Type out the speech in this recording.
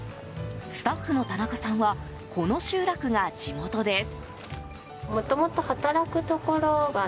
スタッフの田中さんはこの集落が地元です。